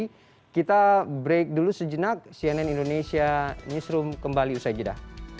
tapi kita break dulu sejenak cnn indonesia newsroom kembali usai jeda